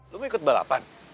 lo mau ikut balapan